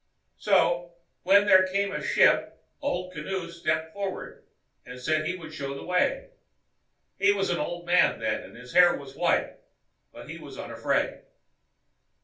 "So, when there came a ship, Old Kinoos stepped forward and said he would show the way. He was an old man then, and his hair was white; but he was unafraid.